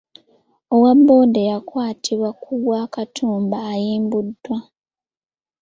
Owaboda eyakwatibwa ku gwa Katumba ayimbuddwa.